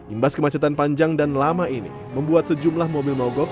imbas kemacetan panjang dan lama ini membuat sejumlah mobil mogok